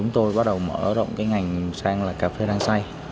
tôi mở rộng ngành sang cà phê rang xay